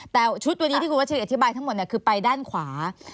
แต่ชุดวันนี้ที่คุณวัชรีอธิบายทั้งหมดคือไปด้านขวา